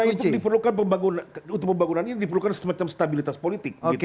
karena itu diperlukan pembangunan untuk pembangunan ini diperlukan semacam stabilitas politik